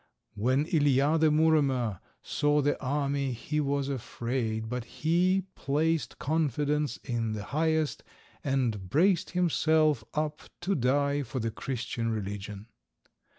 When Ilija, the Muromer, saw the army he was afraid, but he placed confidence in the Highest, and braced himself up to die for the Christian religion.